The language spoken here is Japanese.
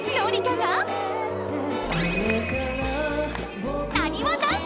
なにわ男子！